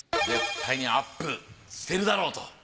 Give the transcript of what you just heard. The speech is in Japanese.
絶対にアップしてるだろうと。